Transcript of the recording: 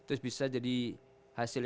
terus bisa jadi hasilnya